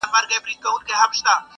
چاته ولیکم بیتونه پر چا وکړمه عرضونه-